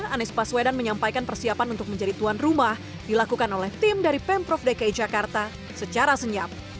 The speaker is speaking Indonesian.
anies baswedan menyampaikan persiapan untuk menjadi tuan rumah dilakukan oleh tim dari pemprov dki jakarta secara senyap